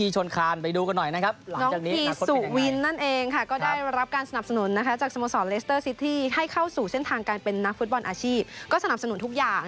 ใช่ในโลกโซเชียลวีดียา